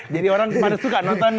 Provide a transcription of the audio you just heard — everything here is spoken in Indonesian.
jadi orang pada suka nontonnya